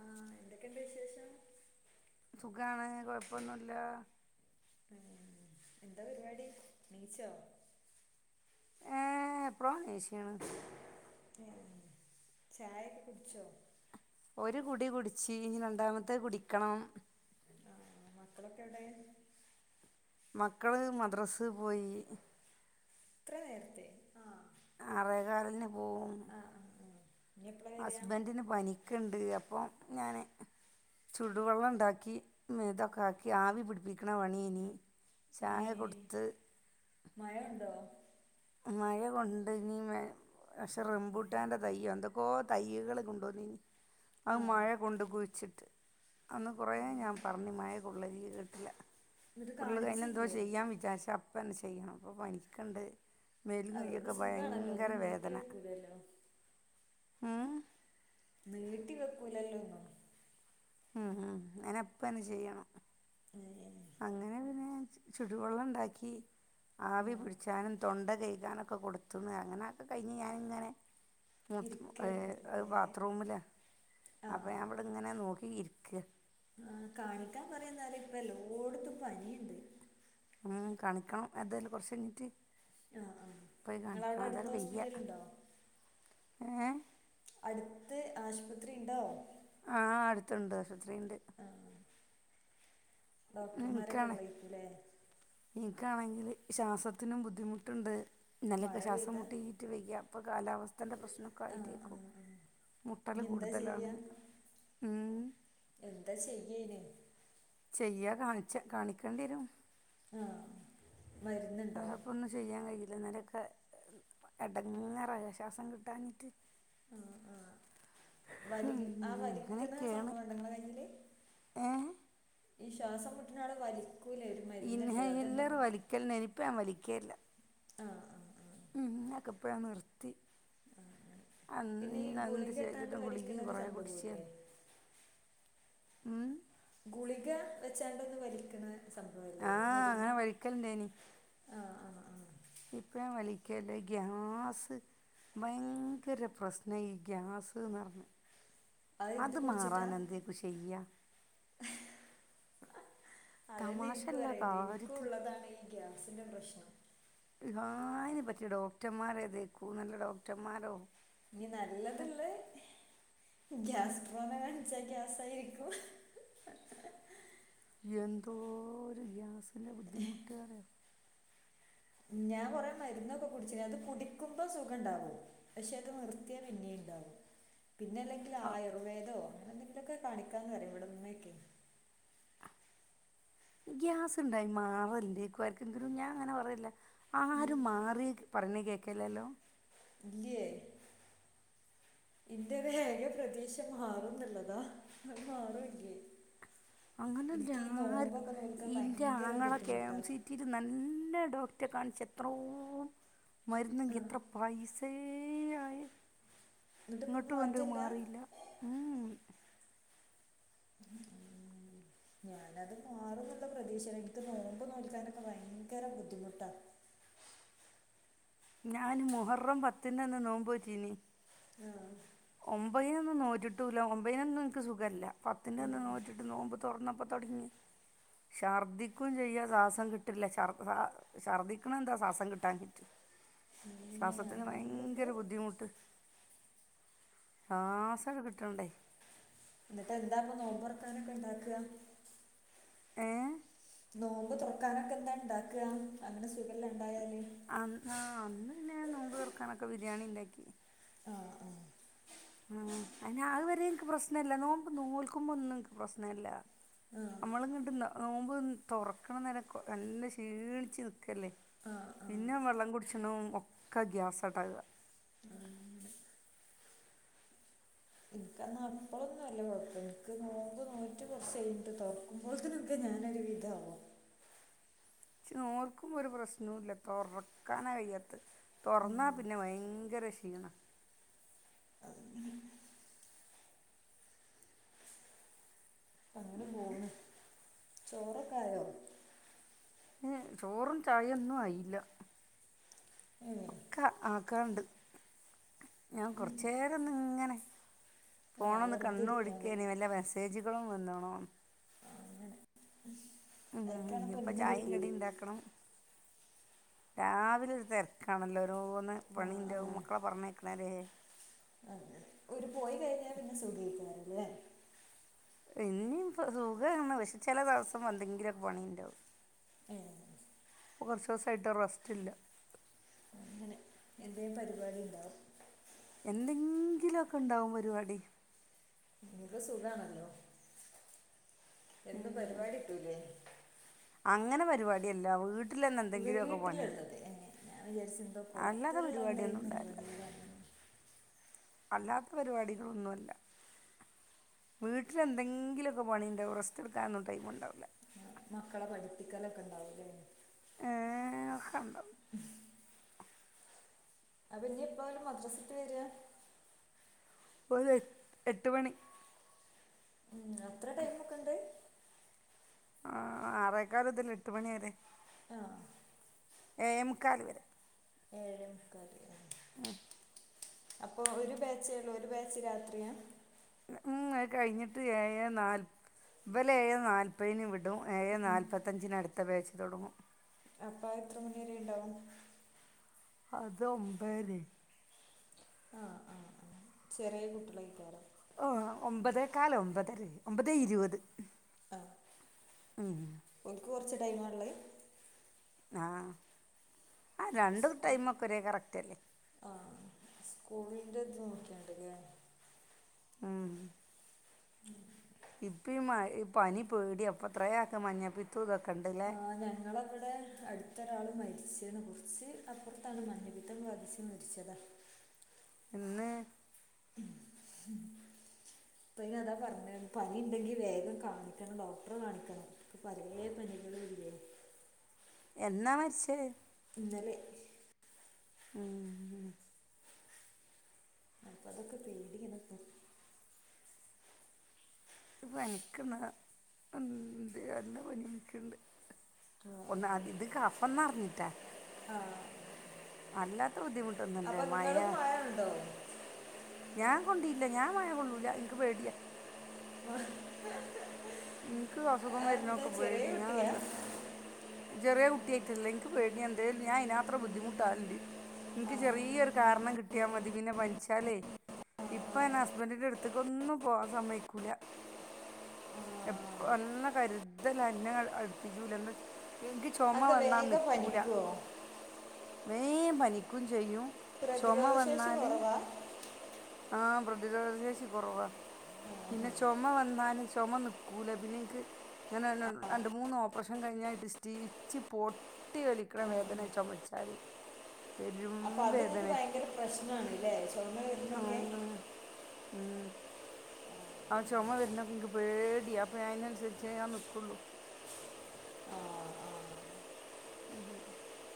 ആഹ് എന്തൊക്കെയുണ്ട് വിശേഷം സുഖാണ് കുഴപ്പമൊന്നുല്ല എന്താ പരിപാടി നീച്ചോ ഏ എപ്പളോ എനീചീന്ന് ചായൊക്കെ കുടിച്ചോ ഒരു കുടി കുടിച്ച് ഇനി രണ്ടാമത്തെ കുടിക്കണം ആ മക്കളൊക്കെ എവിടെ മക്കള് മദ്രാസ് പോയി ഇത്ര നേർത്തെ ആ ആറെ കാലിന് പോകും ആഹ് ആഹ് ഇനി എപ്പളാ വരിക ഹസ്ബൻ്റ്ന് പനി ഒക്കെ ഉണ്ട് അപ്പം ഞാൻ ചുടുവെള്ളം ഉണ്ടാക്കി മേതൊക്കെ ആക്കി ആവി പിടിപ്പിക്കണ പണിയനി ചായ ഏഹ് കൊടുത്ത് മഴ ഉണ്ടോ മഴ കൊണ്ട് ഇനി പക്ഷെ റബുട്ടാന്റെ തയ്യോ എന്തൊക്കോ തയ്യകള് കൊണ്ടോന്നീനി അത് ആഹ് മഴ കൊണ്ട് കുിച്ചിട്ട് അന്ന് കുറേ ആഹ് ഞാൻ പറഞ്ഞു മഴ കൊള്ളല്ലി കേട്ടില്ല എന്നിട്ട് ഫുള്ള് അതിനെ എന്തോ കാണിച്ചില്ലേ ചെയ്യാൻ വിചാരിച്ചാ അപ്പ തന്നെ ചെയ്യണം ഇ പ്പ പനിക്കുണ്ട് മേലും അതുകൊണ്ട് കയ്യൊക്കെ സുഖമാണല്ലോ ഭയങ്കര ഒന്നും നീട്ടി വെക്കൂലല്ലോ ഏ നീട്ടി വെക്കൂലല്ലോ ഒന്നും ഉം ഉം അയ്നു അപ്പന്നെ ചെയ്യണം [inaudible] അങ്ങനെ പിന്നെ ചുടു വെള്ളം ണ്ടാക്കി ആവി ആഹ് പിടിച്ചാനും തൊണ്ട കഴ്കാനൊക്കെ കൊടുത്തന്ന് അങ്ങനെയൊക്കെ കഴിഞ്ഞ് ഞാനിങ്ങനെ മുത്തത് ഇരിക്കാണ് വെറുതെ ബാത്റൂമിലാ അപ്പോ ഞാൻ ആഹ് വിടെ ഇങ്ങനെ നോക്കി ഇരിക ആ കാണിക്കാൻ പറയുന്നാലെ ഇപ്പ എല്ലോടത്തും പനിയുണ്ട് ഉ കാണിക്കണം എന്തായാലും കുറച്ചയിഞ്ഞീറ്റ് ആ ആ പോയി നിങ്ങളവിടെ കാണിക്കണംതാ അടുത്ത് വ്യ്യ ഹോസ്പിറ്റലുണ്ടോ ഏ അടുത്ത് ആശുപത്രി ണ്ടോ ആ അടുത്തുണ്ട് ആശുപത്രിണ്ട് ആ ഡോക്ടർമാരൊക്കെ ള്ളയികുല്ലേ നിക്കാണെങ്കിൽ ശ്വാസത്തിനും ബുദ്ധിമുട്ടുണ്ട് മഴ ഇന്നലൊക്കെ ശ്വാസം പെയ്താൽ മുട്ടിയിട്ട് വെയ പ്പൊ കാലാവസ്ഥന്റെ പ്രശ്നമൊക്കെ ആ ആ ആയിട്ടേക്കും ആ മുട്ടൽ ഇനി എന്താ കൂടുതലാണ് ചെയ്യുക ഉം എന്താ ചെയ്യേനി ചെയ്യാ കാണിച്ച കാണിക്കേണ്ടി രും ആഹ അപ്പ ഒന്നും ചെയ്യാൻ കഴിയില്ല എന്നാലൊക്കെ എടങ്ങറായ ശ്വാസം കിട്ടാഞ്ഞിട്ട് ആഹ ആഹ വലി ആ വലിക്കണ അങ്ങനെയൊക്കെയാണ് സംഭവ ണ്ട ങ്ങളെ കയില് ഏ ഈ ശ്വാസം മുട്ടണെ ആളെ വലിക്കൂലെ ഇൻഹല്ലർ വലിക്കലിണ്ടായിനി പ്പ ഞാൻ വലിക്കലില്ല അഹ് ക്കെപ്പോയെ നിർത്തി പിന്നെ ഈ അന് ന്ത് ഗുളിക ഇട്ടാണ്ട് ചെയ്തിട്ടും വലിക്കണ ഗുളികിം ഒരു കൊറേ സംഭവമില്ലേ കുടിചീർന്നു ഉം ഗുളിക വെച്ചാണ്ടൊന്ന് വലികണേ സംഭവല്ലേ മരുന്ന് ആ വലിക്കലിണ്ടെയിനി ആ ആ ആ ഇപ്പ വലിക്കല്ല ഗ്യാസ് ഭയങ്കര പ്രശ്നാ ഈ ഗ്യാസ്ന്നറഞ്ഞ അത് മാറാനെ ന്തേകു ചെയ്യാ അതെന്ന ഇൻകും തമാശല്ല അറിയേണ്ടി ഇൻക്കും കാര്യത്തിൽ ള്ളതാണ് ഗ്യാസിൻ്റെ പ്രശ്നം ആഹ് അയ്‌ന് പറ്റിയ ഡോക്ടർമാരെതെക്കൂ നല്ല ഡോക്ടർമാരോ ഞ് നല്ലത് ള്ളേഹ് ഗ്യാസ് ട്രോമാനാണിച്ച ഗ്യാസായിര്ക്കും എന്തോ ര് ഗ്യാസിന്റെ ബുദ്ധിമുട്ട് അറിയോ ഞാൻ കൊറേ മരുന്നൊക്കെ കുടിച്ചിക്ക്ണ് അത് കുടിക്കുമ്പോ സുഖം ഉണ്ടാവും പക്ഷെ അത് നിർത്തിയ പിന്നി ണ്ടാവും പിന്നെ അല്ലെങ്കിൽ ആ ആയുർവേദോ അങ്ങന എന്തെങ്കിലൊക്കെ കാണിക്കണം പറിം ഇവിടെ മ്മക്കെ ഗ്യാസ്ണ്ടായി മാറല്ലെക്കും ആർക്കെങ്കിലും ഞാൻ അങ്ങനെ പറയല്ല ആരും മാറി ക് പറഞ് കേക്കില്ലല്ലോ ല്ല്യേ ന്റെഒര് ഏക പ്രദീശ മാറുന്ന്ള്ളതാ അഹ് മാറോയ്ക്കെയ് അങ്ങനെല്ല ഇന്ക് ഈ ആർക്കും നോമ്പൊക്കെ നോൽക്കാൻ ഭയങ്കര ബുദ്ധിമുട്ടാ റ്റ് ഇത്‌ നല്ല ഡോക്ടറെ കാണിച്ച് എത്രോ ആ മര്ന്നെങ്കി ത് പൈസേ യായേ എന്നിട്ട് ഇപ്പം ങ്ങട്ടും ന്റെ മാറ്റമില്ല മാറില്ല ഉം ഉം [inaudible] ഞാനത് മാറുന്നുള്ള പ്രതീഷെലാ ഇൻക്ക് നോമ്പ് നോൽക്കാനൊക്കെ ഭയങ്കര ബുദ്ധിമുട്ടാണ് ഞാന് മുഹറം പത്തിന്റന്ന് നോമ്പോ റ്റിനി ആഹ് ഒമ്പയിനൊന്നും നോറ്റിട്ടൂല്ല ഒമ്പതിനൊന്നും നിക്ക് സുഖല്ല ആ പത്തിന്റെ അന്ന് നോറ്റിട്ട് നോമ്പ് തൊറന്നപ്പോ തൊടങ്ങി ശർദിക്കും ചെയ്യാ സാസം കിട്ട്ല്ല ശർ ശ ശർദ്ദിക്ക്ണെന്താ ശാസം കിട്ടാഞ്ഞിട്ട് ഉം ശ്വാസത്തിന് ഭയങ്കര ബുദ്ധിമുട്ട് ശാസകകെ കിട്ടണ്ടേ ന്നിട്ട് എന്താ പ്പൊ നോമ്പൊർക്കാനൊക്കെണ്ടാക്കാ ഏഹ് നോമ്പ് തുറക്കാനൊക്കെ എന്താ ഇണ്ടാക്കാ അങ്ങനെ സുഖല്ലാ ണ്ടായാല് അന്ന് ആഹ് അന്ന് പിന്നെ നോമ്പ് തുറക്കാനൊക്കെ ബിരിയാണി ഇണ്ടാക്കി. ആഹ് ആഹ് ഉം അയ്ന് അഹ് വരെ ഇനിക്ക് പ്രശ്നല്ല നോമ്പ് നോൽക്കുമ്പോ ഒന്നുംഇനിക്ക് പ്രശ്നല്ല. അമ്മള് ഇങ്ങണ്ട് നോമ്പ് തൊറക്കണ നേരംക്കോ നല്ല ക്ഷീണിച്ച് നി ക്കല്ലേ ആ ആ ആ പിന്നെ വെള്ളം കുടിച്ച്ണോം ഒക്കെ ഗ്യാസട്ടാ വ്അ ഇക്കന്നാ അപ്പളൊന്നും വല്യ കുഴപ്പയ്യ ഇക്ക് നോമ്പ് നോറ്റ് കൊറച്ചയ്ഞ്ഞിട്ട് തൊടങ്ങും പ്പോൾത്തിനൊക്കെ ഞാൻ ഒരു വിധാവും ച്ച് നോൽക്കുമ്പോ ഒരു പ്രശ്നവും ഇല്ല തൊറക്കാന കയ്യാത്ത് തൊറന്നാ ഉം. പി പിന്നെ ഭയങ്കര ക്ഷീണാ അങ്ങനെ പോണ് ചോറൊക്കായോ ഉം ചോറും ചായൊന്നും ആയില്ല ഏ ഒക്കെ ആക്കണണ്ട് ഞാൻ കൊറച്ചേരൊന്ന് ങ്ങനെ ആ ഫോണൊന്ന് വെറുതെ ഇരിക്കാൻ കണ്ണോടിക്കയ്നി വല്ല മെസ്സേ സ്സേജ്കളും വന്ന്ണോന്ന് ട്ടാണ് പ്പൊ അന്നെ കിട്ടേയ്ത് ണ്ടാക്കണം [inaudible] രാവിലെ ഒരു തെര്ക്കാണല്ലോ ഓരോന്ന് ആ ആ പണിന്റാവും മക്കളെ പറഞ്ഞേക്ക്ണരെ അങ്ങനെ ഒരു പോയി കഴിഞ്ഞാ പിന്നെ സുഖേക്കാരല്ലേ ഇനി ഇപ്പൊ സുഖാണ്. പക്ഷെ ചെല ദിവസം വെന്തെങ്കിലൊക്കെ പണി ഒണ്ടാവും ഏ ഇപ്പോ കെറച്ച് ദിവസായിട്ട് ഒര് റസ്റ്റ് ഇല്ല നി എന്താടി പറയുന്നേ എന്തെങ്കിലുലെക്കെ ഒണ്ടാവും പരിപാടി നിനക്ക് സുഖാണല്ലോ എന്ത് ഉം. പരിപാടി ഇട്ടില്ലേ അങ്ങനെ പരിപാടി അല്ല വീ ട്ടിലന്ന് എന്തെങ്കിലും ഒക്കെ പണി വീട്ടിലുള്ളത് എന്നെ ഞാൻ വിചാരിച്ചു എന്തോ അല്ലാതെ പുറത്തുള്ള എന്തായാലും പരിപാടിയൊന്നും ഇണ്ടാകില്ല പരിപാടികളാണ് അല്ലാത്ത പരിപാടിക്കെന്നുമല്ല വീട്ടിലെന്തെങ്കിലൊക്കെ പണിയിണ്ടാവും റസ്റ്റ് എടുക്കാനൊന്നും ടൈമ് ഉണ്ടാവില്ല മക്കളെ പഠിപ്പിക്കലൊക്കെ ഒണ്ടാവൂലല്ലേ ഏഹ് അഹണ്ടം ഉം അതു കഴിഞ്ഞാ അപ്പൊ ഇനി എപ്പാ മദ്രസക്ക് വരികാ ഓല് എട്ട് മണി ഉം അത്ര ടൈമൊക്കെയൊണ്ട് ആഹ് ആറേക്കാല്മുതൽ എട്ട് മണിവരെ ആഹ് ഏഴേ മുക്കാൽവരെ എഴ് ഏഴേ മുക്കാല് കഴിഞ്ഞ് ഉം അപ്പൊ ഒരു ബാച്ചേ ഉള്ളൂ ഒരു ബാച്ച് രാത്രിയാ ഉം അത് കഴിഞ്ഞിട്ട് ഏഴേ നാല്പ ഇവലെ ഏഴേ നാല് ഇപ്പെ ഇനി വിടും എഴേ നാൽപ്പത്തഞ്ചിന് അടുത്ത ബാച്ച് തെടങ്ങും അപ്പെ അത് എത്ര മണിവരെ ഉണ്ടാവും അത് ഒൻപതരി ആഹ് ആഹ് ആഹ് ചെറിയ കുട്ടികളേക്ക് തരാം ഓഹ് ഒമ്പതേകാലോ ഒമ്പത് ഒമ്പത് ഇരുപത് ഉം ഓൽക്ക് കെറച്ച് ടൈമാ ഉള്ളേ ആഹ് ആ രണ്ട് ടൈമൊക്കെ ഒരേ കറക്റ്റ് അല്ലേ ആഹ് സ്കൂളിന്റെ ഇത് നോക്കിണ്ടല്ലയ ഉം ഉം ഇപ്പെ ഈ മഴ പനി പേടിയാ എത്രയാക്ക മഞ്ഞപ്പി തുക കണ്ടൽ ആഹ് ഞങ്ങള് അവിടെ അടുത്തൊരാള് മരിച്ചതിനെ കുറിച്ച് അപ്പുറത്താണ് മഞ്ഞപിത്തം ബാധിച്ച് മരിച്ചതാ എന്നെ ഉം ഹം ഇപ്പൊ ഇ അതാ പറഞ്ഞെ പനി ഉണ്ടെങ്കി വേഗം കാണിക്കണം ഡോക്ടറെ കാണിക്കണം ഇപ്പെ പഴെ പനികൾ വരുലേ എന്നാ മരിച്ചേത് ഇന്നലെ ഉം അപ്പൊ അതൊക്കെ പേടിയെനക്കും പനിക്കണെ ഉണ്ട് നല്ല പനി എനിക്കിണ്ട് ഒന്ന് അത് ഇത് കഫം നെറഞ്ഞിട്ടാ ആഹ് അല്ലാത്ത ബുദ്ധിമുട്ടൊന്നും അല്ലേ മഴ ഞാൻ കൊണ്ടിലാ ഞാൻ മഴ കൊള്ളൂല എനക്ക് പേടിയാ ഉം ആഹ് എനിക്ക് അസുഖം വരുന്നൊക്കെ പോയെടീ ഞാ കുട്ടിയാ അല്ലോ ചെറിയ കുട്ടിയായിട്ടല്ലേ എനിക്ക് എന്തേും ഞാൻ അതിന് ആത്രം ബുദ്ധിമുട്ടാണ്ട് ആ, എനിക്ക് ആ. ചെറിയൊരു കാരണം കിട്ട കട്ടിയാൽ മതി പിന്നെ പനിച്ചാലേ ഇപ്പ എനെ ഹസ്ബൻഡിൻ്റെ അടുത്തേക്ക് ഒന്നും പോവാൻ സമ്മയക്കൂല്ല [unintelligible] എപ്പ എല്ലാം കരുതൽ അന്ന അടുപ്പിച്ചുല എന്താ എനിക്ക് ചുമ അതെന്താ വന്നാൽ വേഗം നിൽക്കൂല പനിക്കുവോ വേം പനിക്കും ചെയ്യും ചുമ പ്രതിരോധശേഷി വന്നാല് [unintelligible] ആഹ് പ്രതിരോധ ശേഷി കുറവാ ആ, ആ, പിന്നെ ആ. ചുമ വന്നാന് ചുമ നി പിന്നെ എനിക്ക് ഇങ്ങനെ രണ്ട് മൂന്ന് ഓപ്പറേഷൻ കഴിഞ്ഞായിട്ട് സ്റ്റിച്ച് പോട്ട കുത്തി വലിക്കണ വേദനെ ചൊമച്ചാല് പെരും അപ്പൊ അതത് ഭയങ്കര പ്രശ്നാണല്ലേ അം ഉം ആഹ് ചുമ വരുന്നൊക്കെ എനിക്ക് പേടിയി അപ്പോം അതിനനുസരിച്ചേ ഞാൻ നിൽക്കുള്ളൂ [unintelligible] [inaudible] [inaudible] [inaudible]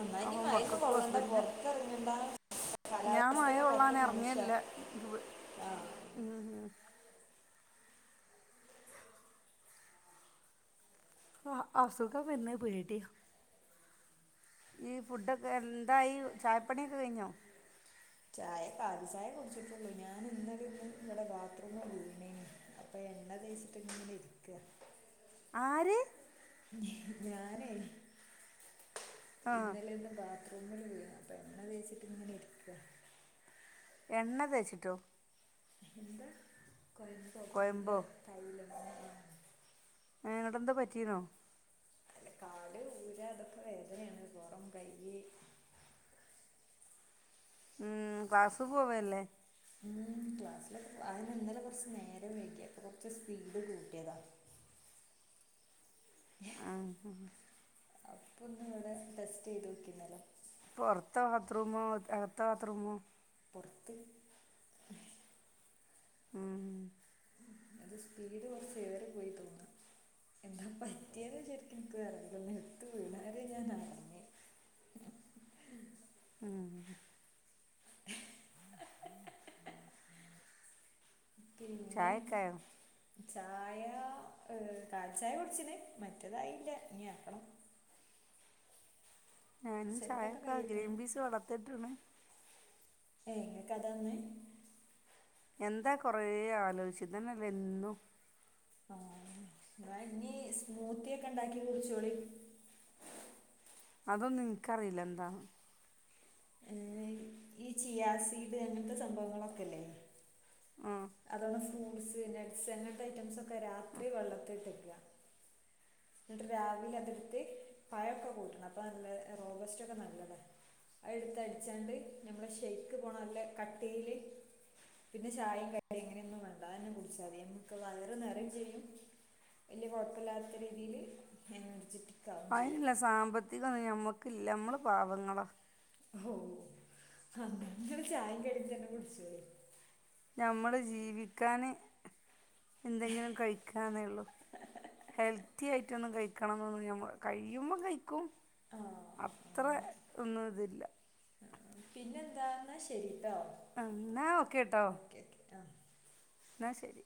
അമ്മനി അപ്പോൾ മയന്ന് മക്കൾക്കും കൊള്ളണ്ടപ്പൊ ഹസ്ബൻഡിനും പൊറത്തെ ഇറങ്ങണ്ടാ ഞാൻ മഴ കാലാവസ്ഥയൊക്കെ പറ്റ കൊള്ളാൻ മനുഷ്യാ ഇറങ്ങേല്ല എനിക്ക് പേ ആഹ് ആഹ് അസുഖം പിന്നെ പോയിട്ടി ഈ ഫുഡൊക്കെ എന്തായി ഈ ചായപ്പണിയൊക്കെ കഴിഞ്ഞോ ചായ കാലി ചായ കുടിച്ചിട്ടുള്ളൂ ഞാൻ എന്തും ഇവിടെ ബാത്റൂമ് അപ്പൊ എണ്ണ തേച്ചിട്ടുങ്കിലും ഇരിക്കുക ആര് ഞാനേ ആഹ് ഇന്നലെ ഇന്ന് അത്ര ഉമ്മണവ്യും അപ്പോൾ എങ്ങണെ വേച്ചിട്ട്ങ്ങനെ ഇരിക്കുക എണ്ണ തേച്ചിട്ടോ ന്ത കൊയമ്പോ കൊയമ്പോ തൈലോ തൈലം ഇങ്ങട്ട് എന്താ പറ്റിന്നോ അല്ല കാട് ഊര അതൊക്കെ വേദനയാണ് പുറം കൈ ഉം ക്ലാസ് പോവല്ലേ ഉം ക്ലാസ്സില അന്നാലെ കുറച്ച് നേരം വഴിക്കപ്പ കുറച്ച് സ്പീഡ് കൂട്ടിയതാ ആഹ് അപ്പം നിങ്ങളുടെ ടെസ്റ്റ് ചെയ്ത് വയ്ക്കുന്നല്ലോ പ്പൊറത്ത ബാത്രറൂമോ അകത്ത ബാത്രൂമോ പുറത്ത് ഉം അത് സ്പീഡ് കുറച്ച് വരെ പോയി തോന്നാം എന്താ പറ്റിയത് ശരിക്കും എനിക്ക് അറീല ഇതന്നെ എടുത്ത് വീണാരേ ഞാന ഉം അഹ് ഹ് ഹ് ഹ് പിന്നെ ചായക്കായോ ചായ കാൽ ചായ കുടിച്ചീണ് മറ്റേതായില്ല ഇനി ആക്കണം ഞാൻ ചെറുതൊക്കെ ചായൊക്കാ കഴിയട്ടെ ഗ്രീൻ പീസ് വള്ളത്തില്ട്ടീണ് ഏഹ് ങക്ക്കഥാന്ന് എന്താ കൊറെ ആലോചിച്ചിതന്നെല്ലെ എന്നും ആഹ് ന്നാ ഇനി സ്മൂത്തി ഒക്കെ ഉണ്ടാക്കി കുടിച്ചോളി അതൊന്നും ഇൻക്കറിയില്ല എന്താണ് ഈ ചിയാസീഡ് അങ്ങൻത്തെ സംഭവങ്ങളൊക്കെ ഇല്ലേ ആഹ് അതോളെ ഫ്രൂട്ട്സ് നെട്സ് അങ്ങത്തെ ഐറ്റംസ് ഒക്കെ രാത്രി വെള്ളത്തില് ഇട്ടെക്കാ എന്നിട്ട് രാവിലെ അതെടുത്ത് പഴൊക്കെ കൂട്ടണം അപ്പൊ നല്ല റോബസ്റ്റക്കെ നല്ലതാണ് അഎട്ത്ത് അട്ച്ചാണ്ട് നമ്മടെ ഷെയ്ക്ക് പോലെ കട്ടീല് പിന്നെ ചായയും കടി എങ്ങനെയൊന്നും വേണ്ട അഎന്നെ കുട്ച്ചാതി നമ്മക്ക് വയറ് ന്നെറിം ചെയ്യും വല്ല്യ കാെഴപ്പല്ലാത്ത രീതിയില് എനർജിക്ക് അയിനില്ല സാമ്പത്തികൊന്നും ഞമ്മക്കില്ല നമ്മള് പാവങ്ങളാ ഹാേ അന്നാങ്ങള് ചായിം കടിം തന്നെ കുട്ച്ചോളിം നമ്മള് ജീവിക്കാന് എന്തെങ്കിലും കഴിക്കാന്നെ ഒള്ളൂ ഹെൽത്തി ആയിട്ടൊന്നും കഴിക്കണംന്നൊന്നും നമ്മള് കഴിയുമ്പം കഴിക്കും ആഹ് അത്ര ഒന്നും ഇതില്ല പിന്നെന്താെന്നാ ശരിട്ടോ എന്നാ ഓക്കെട്ടോ എന്നാ ശരി